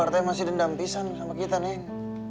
neng abah masih dendam pisang sama kita neng